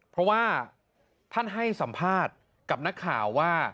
เพราะว่าท่านให้สัมภาษณ์กับนักข่าวว่า